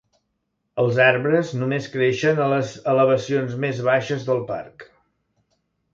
Els arbres només creixen a les elevacions més baixes del parc.